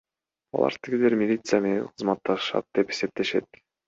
Алар тигилер милиция менен кызматташышат деп эсептешет.